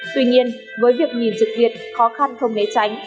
tuy nhiên với việc nhìn trực việt khó khăn không né tránh